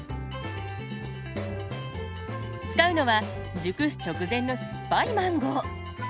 使うのは熟す直前の酸っぱいマンゴー。